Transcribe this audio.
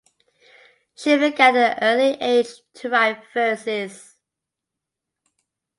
She began at an early age to write verses.